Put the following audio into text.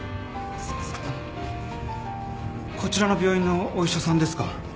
こちらの病院のお医者さんですか？